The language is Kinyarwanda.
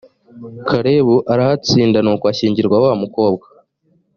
kalebu arahatsinda nuko ashyingirwa wa mukobwa